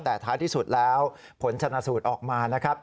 แต่ท้ายที่สุดแล้วผลชนะสูตรออกมานะครับ